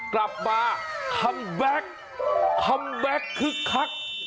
กลับมาคัมแบ็คคัมแบ็คคึกคัก